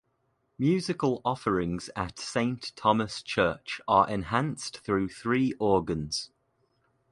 Musical offerings at Saint Thomas Church are enhanced through three organs.